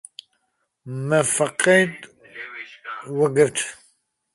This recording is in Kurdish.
Me feqek vegirt.